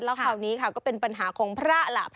แล้วคราวนี้ค่ะก็เป็นปัญหาของพระล่ะ